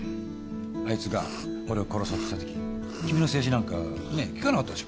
あいつが俺を殺そうとしたとき君の制止なんかね聞かなかったでしょ？